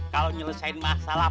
kalo nyelesain masalah